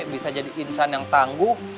bisa jadi insan yang tangguh